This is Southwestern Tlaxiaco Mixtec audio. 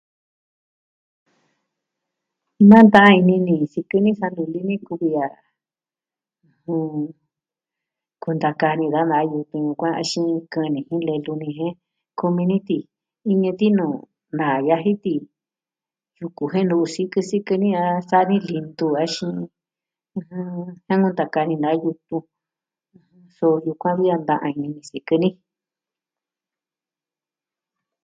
Nanta'an ini ni sikɨ ni sa luli kuvi a kunta kani da nayu, nkuaa xinikɨ, kɨ'ɨni jin lelu jen kumi ni ti, iñɨ tinu nayaji ti. yuku je nuu sikɨ sikɨ ni a savi lintu axin jiankutaka ni na yutun , suu yukuan vi a da ini ni sikɨ ni.